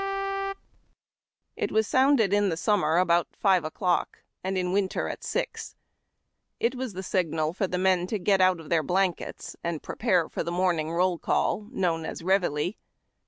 It was sounded in summer about five o'clock, and in winter at six. It was the signal to the men to get out of their blankets and prepare for the morning roll call, known as ReveilU.